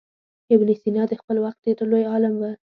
ابن سینا د خپل وخت ډېر لوی عالم و.